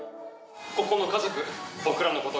ここの家族、僕らのこと